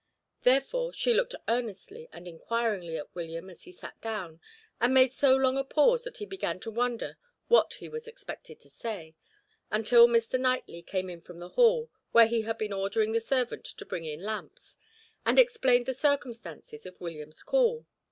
Therefore she looked earnestly and inquiringly at William as he sat down, and made so long a pause that he began to wonder what he was expected to say, until Mr. Knightley came in from the hall, where he had been ordering the servant to bring in lamps, and explained the circumstances of William's call.